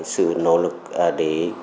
sự nỗ lực để